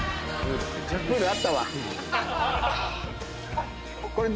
プールあったわ。